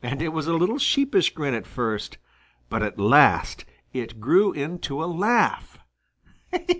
It was a little sheepish grin at first, but at last it grew into a laugh.